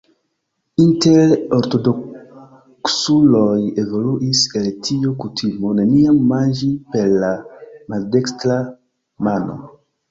Inter ortodoksuloj evoluis el tio kutimo neniam manĝi per la maldekstra mano.